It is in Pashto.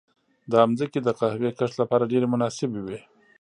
دا ځمکې د قهوې کښت لپاره ډېرې مناسبې وې.